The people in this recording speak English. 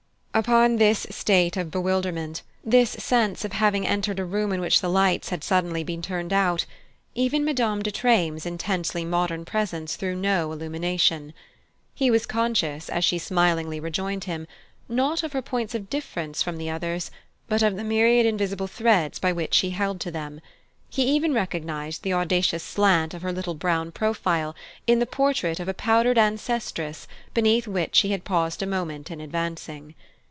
Upon this state of bewilderment, this sense of having entered a room in which the lights had suddenly been turned out, even Madame de Treymes' intensely modern presence threw no illumination. He was conscious, as she smilingly rejoined him, not of her points of difference from the others, but of the myriad invisible threads by which she held to them; he even recognized the audacious slant of her little brown profile in the portrait of a powdered ancestress beneath which she had paused a moment in advancing.